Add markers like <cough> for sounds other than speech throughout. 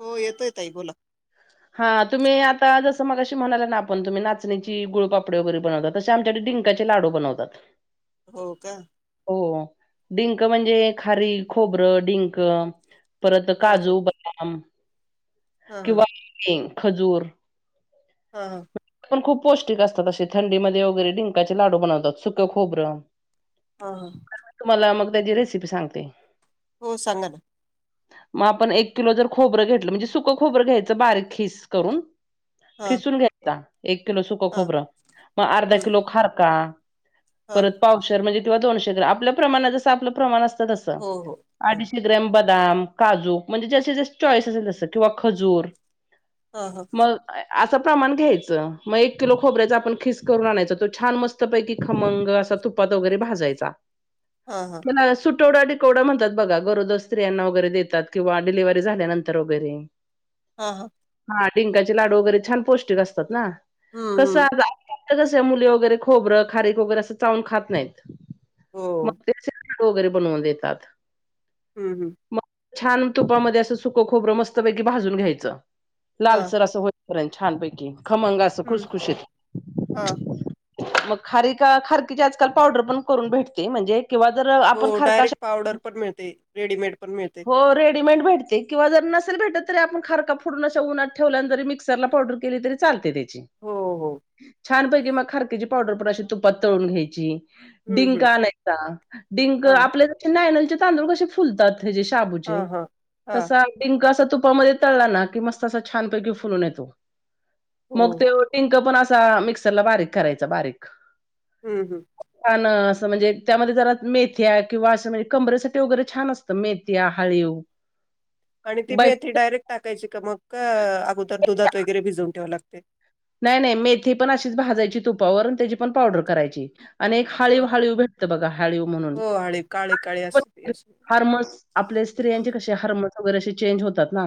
हो येतोय ताई बोला हा, तुम्ही आता जस- मगशी म्हणाय ना आपण तुम्ही नाचणीची गुळपापडे वगैरे बनवतात, तसे आच्याडे डंकाचे लाडू बनवतात. हो, का? डिंक म्हणजे खारी, खोबरं, डिंक, परत हा हा काजू, हां. हा हा किंवा- खजूर, हा, हा. पण खूप पौष्टिक असतात, असे थंडीमध्ये वगैरे डिंकाचे लाडू बनवतात सुक खोबर हा. मला मग त्याची रेसिपी सांगते. हो सांग ना. मग आपण एक किलो जर खोबरं घेतलं, म्हणजे सुक खोबरं घ्यायचं बारीक खिस करून हा खिसून घ्या ह <unintelligible> एक किलो सुकं हा खोबरं, मग अर्धा हम्म किलो खारका, हा परत पावशर म्हणजे किंवा दोनशे ग्र- आपल्या प्रमाणात जस आपलं प्रमाण अस हो हो हो <inaudible> बदाम काजू म्हणजे ज्याची त्याची चॉईस असेल तस किंवा खजूर हा हा. मग असं प्रमाण- घ्यायच, मग एक किल खोबऱ्याचा आपण खिस करून आणायच, तो छान मस्त पैकी खमंग असा तुपात वगैरे भाजायचा. हा हा त्याला सुट- सुटवडा टिकवडा म्हणतात बघा, गरोद स्त्रियांना वगैरे देतात किंवा डिव्ही झाल्यानंतर वगैरे, हा, हा. हा डिंकाचे लाडू वगैरे छान पौष्टिक अस त ना, हम्म हम्म कसं आ कस मुले वगैरे खोबरं खारीक वगैरे असं चावून खात नाहीत. हो मग हो घरी बनवून देतात. हम्म हम्म. मग छान तुपामध्ये असं सुकं खोबरं मस्तपैकी भाजून घ्यायचं. हा लालसर असं हो <unintelligible> छानपैकी. खमंग अंस हम्म खुशखुशीत. हा मग खारीका खारकीची आजकाल पावडर पण करून भेटते म्हणजे किंवा जर हो आपण खारका डायरेक्ट पावडर पण मिळते, रेडीमेड पण मिळते. डीमेड भेटते किंवा जर, नसेल भेटत तरी आपण खारका फोडून अशा उन्हात ठेवल्या आणि जरी मिक्सरला पावडर केली तरी चा चालते ते. हो हो <inaudible> छानपैकी मग खारकीेची पावडर पण अशी तुपात तळून घ्यायची. हम्म डिंक हम्म आणायचा डिंक हा आपल्या <unintelligible> नाय तांदूळ कशे फुलतात हा शाबूचे हा हा तसा डिंक आसा तुपामध्ये तळला ना की मस्त अस छानपैकी फुलून येतो. हो मग तेव डिंक पण अस आ मिक्सर ला बारीक करायचा बारीक. हम्म हम्म आन म्हणजे त्यामध्ये जरा मेथ्या किंवा आस म्हणजे कमरेसाठी वगैरे छान असतं मेथ्या हळीव. आणि ती बाय मेथी डायरेक्ट टाकायची का मगं, का अगोदर दुधात वगैरे भिजवून ठेवा लाग <inaudible> नाय नाय मेथी पण अशीच भाजायची तुपावर त्याची पण पावडर करायची. आणि एक हा हाळीव हाळीव भेटत बघा हाळीव म्हणून हो हळी काळी काळी असते ती अशी हार्मोन्स आपल्या स्त्रियांचे कसे हार्मोन्स वर असे चेंज होतात ना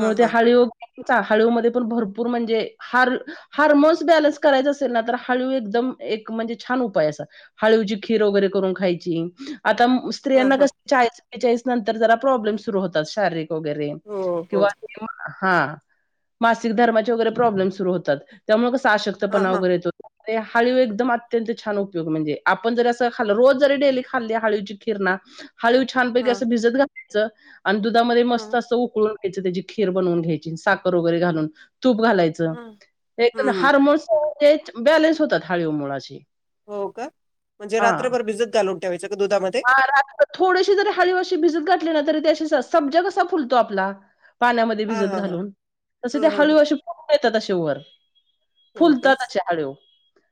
हा ते हा हाळीव हाळू मध्ये पण भरपूर म्हणजे हार हार्मोन्स बॅलन्स करायच असेल ना तर हळू एकदम एक म्हणजे छान उपाय असा हळूची खीर वगैरे करून खायची. आता म हा स्त्रियांना हा कस चाद बेचाळीस नंतर जरा प्रॉब्म सुरू होतात शारीरिक. वगैरे हो हो किंवा तेवा हा हा मासिक धर्माचे वगैरे प्रॉब्लेम्स होतात त्यामुळे कस हां आशक्तपणाव हां वगैरे येतो. हळू एकदम अत्यंत छान उपयोग म्हणजे आपण जर असं खाल् रोज जरी डेली खाल्ली हळूची किरणा हाळी उछान पे हां कसे भिजत च आणि दुधामध्ये हां मस्त असं उकळून त्याची खीर बनवून घ्यायची साखर वगैरे घालून तूप घालायचं हां एकदम हं हारमोनस ते बॅलेन्स होतात हाळव मुळाशी हो का म्हणजे रात्रभर भिजत घालून त्या ह थोडीशी जरी हरीवष भिजत का सज क फुतो आपला पाण्यामध्ये हां भिजत हां हां घालून तसे ते हं हं हळू अ तशे वर हो का? फुलतातच्या हळव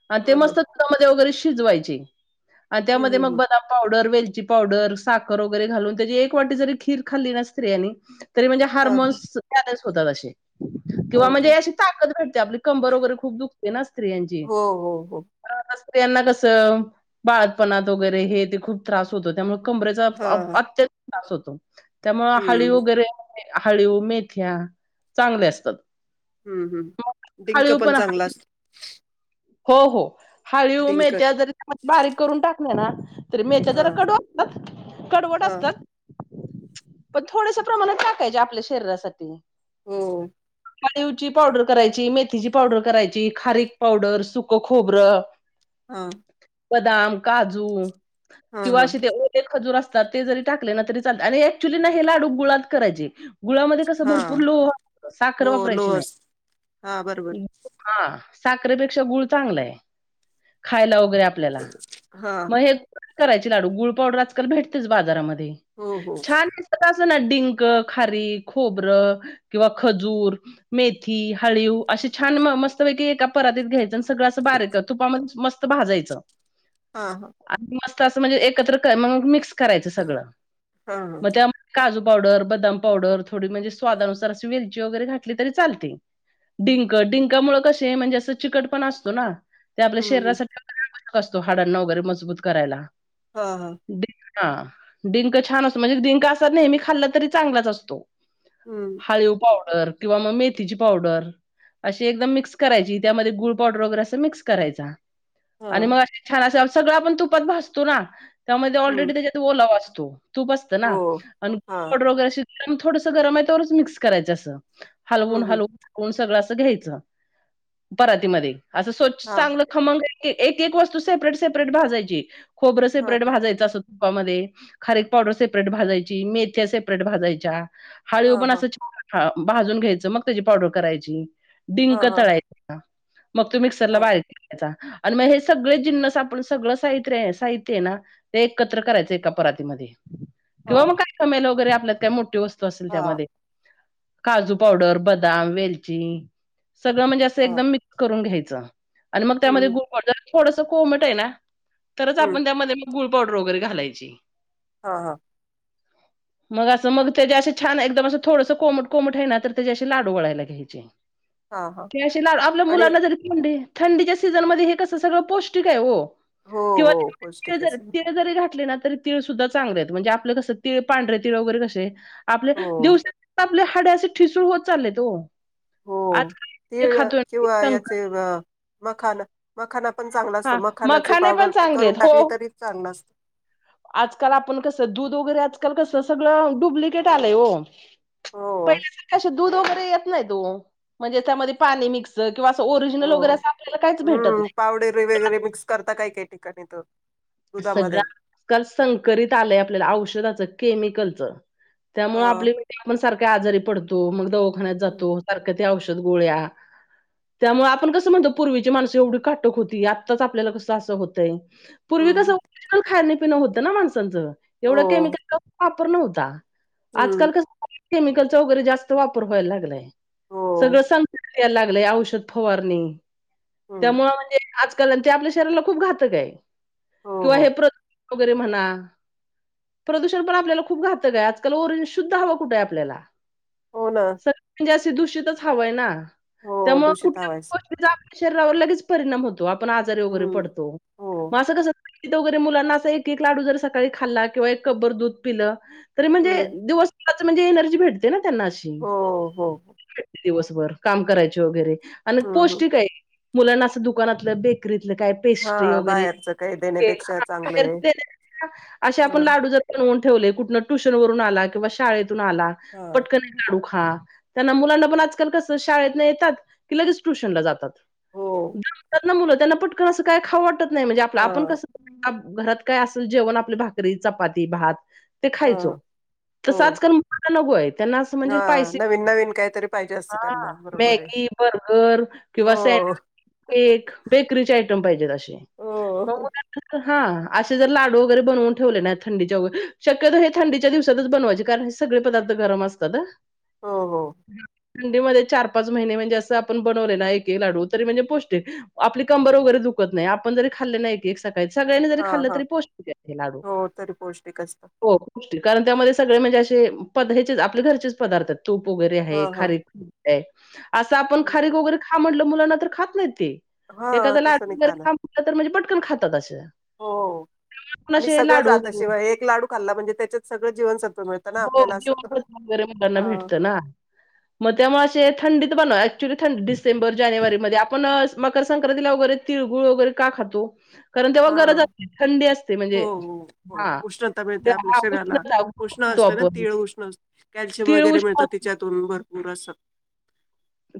आणि ते हं हं मस्त तुमध्ये वगैरे शिजवायची आणि हं त्यामध्ये हं मग ब हं पावडर वेलची पावडर साखर वगैरे घालून त्याची एक वाटी जरी खीर खाल्ली ना स्त्रिया आणि तरी म्हणजे हां हां हार्मोन्स होोलाशीे किंवा हो का? म्हणजे अशी ताकद घडते आपली कंबर वगैरे खूप दुखते ते ना हो हो हो यांना कसं बाळातपणात वगैरे हे खूप त्रास होतो त्यामुळे कंबरेचा हां अत्य तास होतो त्यामु हळी हं वगैरे हळव मेथ्या चांगले असतात हम्म हम्म डिंक पण चांगला असत हो हो हळव मेथ्या जरी त्यामध्ये बारीक करून टाकण्या ना तर मेच्या हां जरा कडू असतात कडवट हां असतात पण थोडसं प्रमाणात टाकायचे आपल्या शरीरासाठी हो. हाळीवची पावडर करायची मेथीची पावडर करायची खारीक पावडर स सुक खोब्र अ बदाम काजू किंवा हां अशे ते ओले खजूर अस चा ते जरी टाकले ना तरी चाल आणि ऍक्च्युली ना हे लाडू गुळात करायचे गुळामध्ये कस भरपूर हां लोह साखर हो वापरायची लोअर्स हां बरोबर नाही. हा साखरपेक्षा गुळ चांगलंय खायला ओ तय आपल्याला म हां हे करायचे लाडू गुळ पावडर आजकाल भेटतेच बाजारामध्ये हो हो छान <unintelligible> <unintelligible> डिंक खारी खोबर किंवा खजूर मेथी हळीव अस छान म मस्त पैकी एका परातीत घ्यायच सगळ असं बारी तूपाम म मस त भाजायचं हां हां <unintelligible> तं स म्हणजे एकत्र कर म मिक्स करायच सगळ हां हां म त्या म काजू पावडर बदाम पावडर थोडी म्हणजे स्वादानुसार असं वेलची वगैरे घातली तरी चालते. डिंक डिंकामुळ कसं असे चिकटपणा अस तून ते आपल्या हं हं शरीरासाठी कसतो हाडांना वगैरे मजबूत करायला हा हा. डिंक हा डिंक छान असतो म्हणजेच डिंक असा नेहमी खाल्ला तरी चांगलाच असतो. हं हाळीव पावड किंवा म मेथी ची पावडर अशी एकदम मिक्स करायची त्यामध्ये गूळ पावडर वगैरे अस मिक्स करायचा हां आणि मग असे छान अस सगळं आपण तुपात भासतो ना त्यामध्ये हं ऑलरेडी त्याच्यात ओला वास तो तूप असतं ना हो आणि हा <unintelligible> <unintelligible> थोडसं गरम आहे तवरच मिक्स करायचं असं हम्म हलवून हम्म हलवून <unintelligible> सगळ घ्या परातीमध्ये असं स्वच्छ हा चांगलं खमंग एक एक वस्तू सेपरेट सेपरेट भाजयची हा खोरंेपेटजायच असतं तुपामध्ये खारेक पावडर सेपरेट भाजयची मेथ्या सेपरेट भाजायच्या हा हाळू पण हा असं छ भाजून घ्यायचं मग त्याची पावडर करायची हा डिंक हा तळायच मग तू मिक्सरला हा बाहेरयचा आणि मग हे सगळे जिन्नस आपण सगळं साहित्य आहे साहित्य आहे ना ते एकत्र करायचं एका परातीमध्येध्ये हा किंवा मग काय समेल वगैरे त्या मोठेत असेल हा त्यामध्ये काजू पावडर बदाम वेलची सगळं म्हणजे असं हा एकदम म ून घ्यायचं आणि मग त्यामध्ये हम्म गु थोडस कोमट आहे ना तरच हम्म आपण त्यामध्ये मग गु डर वगैरे घालायची हा हा मग असं मग त्याच्या असं छान एकदम असं थोडस कोमट कोमट आहे ना तर त्याचे अस लाडू वळायला घ्यायचे हा हा तेश आप आणि मुलाना जरी थंडीच्या सीझन मध्ये हे कसं सगळं पौष्टिक आहे हो हो किंवा हो पौष्टिक आहे सगळं. जरी घातले ना तरी तिळ सुद्धा चांगले आहेत म्हणजे आपलं कसं तिळ पांढर तिळ वगैरे कसे आपले हो दिवसा आपल्या हाड्या असे ठिसूळ होत चालले तो आजकाे खातो म म हा मखाने पण चांगले आहेत टाकली हो तरी चांगला असतो आजकाल आपण कस दूध वगैरे आज आजकाल कसं सगळं डुप्लिकेट आलंय, हो. हो पहिल्या सारख सुद्धा वर नाही म्हण <unintelligible> किंवा असं ओरिजिनल वगैरे हो असं आपल्याला काहीच भेटत हम्म नाही. पावडर वगैरे मिक्स करता काय काही ठिकाणी त सगळं आकाल संकरित आलंय, आपल्याला औषधाचं केमिकलच, हा त्यामुळे आपलीण सारख आजारी पडतो मग- हम्म जातो, सारख- औषध गोळ्या त्यामुळे, आपण कसं म्हणतो पूर्वीची माणसं एवढी काटक होती, आत्ताच आपल्याला कसं असं होतय पूर्वी कस हम्म. ओरिजनल खान पिन होतं ना माणसांचं. एवढं हो केमिकल- र नव्हता. हम्म आजकाल कसं- केमिकलचा वगैरे जास्त वापर व्हायला लागलाय. हो सगळं स- त्याला लागलंय औषध फवारणी हम्म त्यामुळं म्हणजे आजकाल ते आपल्या शरीराला खूप घातक आहे. हो किंवा हो हे प्र- वगैरे म्हणा प्रदूषण पण आपल्याला खूप घातक हाय, आजकाल ओरंज- शुद्ध हवं कुठं आहे आपल्याला हो ना सं <unintelligible> दूषितच हवय ना. हो त्यामुळे दूषित कुठल्या हवाच गोष्टी- शरीरावर लगेच परिणाम होत- तो आपण आजारी वगैरे हम्म पडतो. हो तिथ वगैरे मुलांना अस एक एक लाडू जर सकाळी खाल्ला किंवा एक कब्बर दूध पिलं- तरी म्हणजे हम्म दिवस- म्हणज एनर्जी भेटते ना. त्यांना अशी- हो हो दिवसभर काम करायचे वगैरे आणि हम्म हम्म. पौष्टिक आहे. मुलांना असं दुकानातलं बेकरीत काय पेस्ट्री हा वगैरे बाहेरच काही देण्यापेक्षा चांगलं आहे असे हा आपण लाडू जर ठेले कु टूशन वून आला किं शाेत आला हा पटकन गाडू ख हा त्यांना मुलांना पण आजकाल कसं शाळेतन येतात की लगेच ट्युशन ला जातात ब हो मुलं त्यांना पटकन असं काय खावटत नाही हा आपण कसं घरात काय असेल जेवण आपली भाकरी चपाती भात ते हा खायचो हो तसाच कर म नगो आहेत त्यांना असं हा म्हणजे स्पायसा नवीन नवीन काहीतरी पाहिजे असतं त्यांना बरोबर आहे मॅगी बर्गर किंवा हो सडविच केक बेकरीचे आयटम पाहिजेत असे हो हो मोम हा असे जर लाडू वगैरे बनवून ठेवले नाही थंडीच्या वगैरे शक्यतो हे थंडीच्या दिवसातच बनवायचे कारण हे सगळे पदार्थ गरम असतात हो हो थंडीमध्येध्ये चार पाच महिने म्हणजे असं आपण बनवले नाही एक एक लाडू तरी म्हणजे पौष्टिक आपली कंबर वगैरे दुखत नाही आपण जरी खाल्ले नाही एक सगळ्यांनी जरी हा खाल् हा तरी पष्ट लाडू हो तरी पौष्टिक असतं कारण त्यामध्ये सगळे म्हणजे असे प हेचेच आपले घरचेच पदार्थ आहेत स्टोप वगैरे आहे हा हा खारीेदी अ असं आपण खरे वगैरे खा म्हटलं मुलांना तर खात नाही ते हा एखाद तसं लारे नाही खाणार तरणजे <unintelligible> खात तग <inaudible> हो आणि सगळं लाडू वगैरे जातशिवाय एक लाडू खाल्ला म्हणजे त्याच्यात सगळं जीवन सत्व हो ज वगरे मुलांना भेटत ना मग त्यामुळे थंडी बनवा ऍक्च्युली थंडी डिसेंबर जानेवारी मध्ये आपण मकर संंक्रांतीला वगैरे तिळगुळ वगैरे का खातो कारण तेव्हा हा गरज असते थंडी असते हो म्हणजे हो हो हा उष्णता मिळते ते आपल्या हा शरीराला उष्णता उष्ण खातो असत ना आपण. तीळ उष्ण असत, कॅल्शियम तीळ वगैरे उष्ण मिळतं त्याच्यातून भर- पुर स <unintelligible>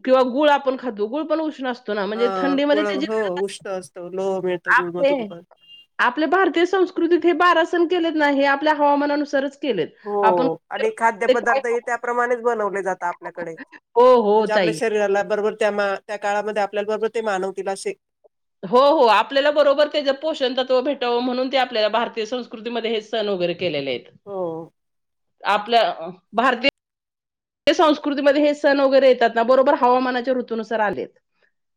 किंवा गुळ आपण खातो, गुळ पण उष्ण असतो. अ म्हणजे थंडीर गुळ हो उष्ण असतं लोह आप मिळतं <unintelligible> ले गुळमधून पण आपले भारतीय संस्कृ प्रकृतीत हे बारा सण केलेत ना, आपल्या हवामानानुसारच- केलेत. हो आपण आणि खाद्य ते काय पदार्थ त्याप्रमाणेच बनवले जात आपल्याकडे, हो, हो म्हणजे आपल्या ताई. शरीराला बरोबर- त्या त्या काळामध्ये आपल्याबरोबर ते मानवतील असे- हो, हो, आपल्याला बरोबर त्याच पोषण तत्व भेटावं म्हणून ते आपल्याला भारतीय संस्कृतीमध्ये हेच सण वगैरे केलेले आहेत. हो आपल्या भारतीय- ते संस्कृतीमध्ये हे सण वगैरे येतात ना बरोबर हवामानाच्या ऋतूनुसार आलेत.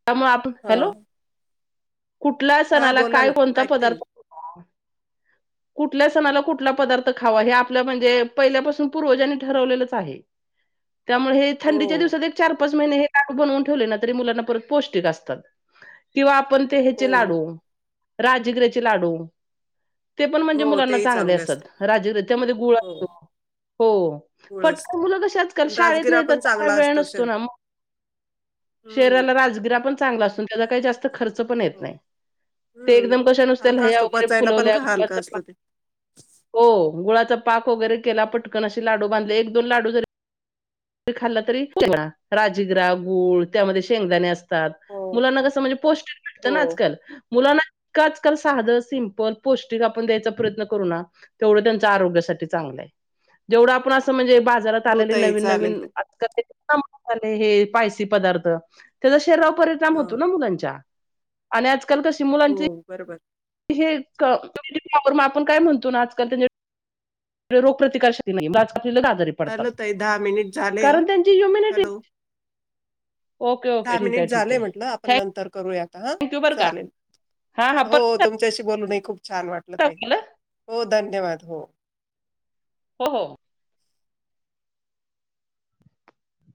त्यामुळे आपण, हा हॅलो? कुठला हा सणाला बोला ना काय कोणता ऐकते ना पदार्थ कुठल्या सणाला कुठला पदार्थ खावा, हे आपल्या म्हणजे पहिल्यापासून पूर्वजांनी ठरवलेलंच आहे. त्यामुळे हे हो थंडीच्या दिवसात एक चार पाच आपण हे बनवून ठेवले ना मुलांना पौष्टिक असतंय- पण ते हो ह्याचे लाडू- राजगिरचे लाडू, ते पण म्हणजे हो हो मुलांना तेही चांगले असतात, राजगिराचे त्यामध्ये गुळ हो असतो हो गुळ पण- असतो मुलं कशी आज काल आणि शाळेत राजगिरा पण चांगला वेळ असतो नसतो शरीर ना व, मग हम्म शरीराला राजगिरा पण चांगला असून तुजा काही <unintelligible> जात खर्च पण येत हो नाही, हम्म. एकदम कश नुसत्या हलका लह्या असतो वगैरे पचायला पण फुलवल्या का हलका असतं ते. गुळा पाक वगैरे केला पटकन असे लाडू बांधले, एक- दोन लाडू ज- खाल्ला, तरी राजीगरा, गूळ, त्यामध्ये शेंगदाणे अस- हो मुलांना हो कस म्हणजे, पौष्टीक भेटतं हो ना, आजकाल मुलांना आजकाल साधं सिमपल पौष्टिक आपण द्यायचा प्रयत्न करू ना, तेवढं त्यांच आरोग्यासाठी चांगलं आहे, जेवढं आपण असं म्हणजे बाजारात हो आलेली ताई नवीन चालेल नवीन ताई. आजकाल ते म आलं हे <unintelligible> पायसी पदार्थ तेचा शरीरा परिणाम हा होतो ना मग त्यांच्या आणि आज हो बरोबर हे मग आपण काय म्हणतो ना आजकाल त्यां रोग प्रतिकारश नाही हॅलो ताई दहा मिनिट झाले हा हॅलो ओक दहा क मिनिट ठीक झाले म्हटलं आपण नंतर करूया हा थँक्यू बरं का चालेल हां हां हो परत तुमच्याशी बोलून छान वाटलं त कॉल हो धन्यवाद हो हो हो